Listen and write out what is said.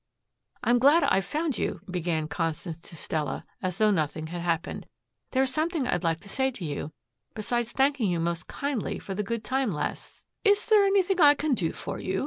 "I'm glad I've found you," began Constance to Stella, as though nothing had happened. "There is something I'd like to say to you besides thanking you most kindly for the good time last " "Is there anything I can do for you?"